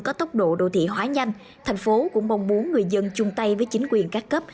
có tốc độ đô thị hóa nhanh thành phố cũng mong muốn người dân chung tay với chính quyền các cấp